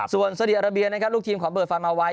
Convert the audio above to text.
ส่วนซาดีอาราเบียนะครับลูกทีมของเบิร์ดฟันมาไว้